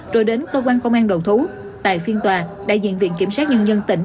rồi đến cơ quan công an đầu thú tại phiên tòa đại diện viện kiểm sát nhân dân tỉnh